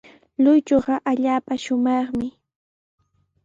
Lluychuqa allaapa shumaqmi.